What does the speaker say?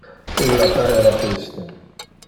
Illa pareva triste.